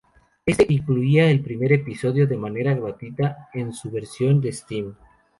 Este incluía el primer episodio de manera gratuita en su versión de Steam.